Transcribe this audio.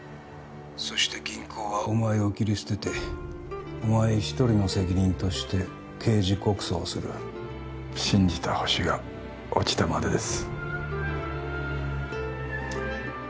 そして銀行はお前を切り捨ててお前一人の責任として刑事告訴をする信じた星が落ちたまでです